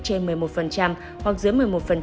trên một mươi một hoặc dưới một mươi một